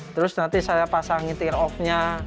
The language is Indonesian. terus nanti saya pasangkan tear off nya